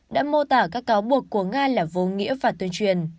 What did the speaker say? đã mô tả các cáo buộc của nga là vô nghĩa và tuyên truyền